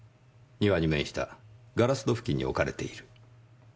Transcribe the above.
庭に面したガラス戸付近に置かれている。